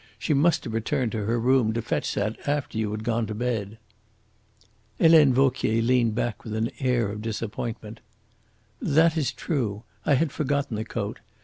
She must have returned to her room to fetch that after you had gone to bed." Helene Vauquier leaned back with an air of disappointment. "That is true. I had forgotten the coat.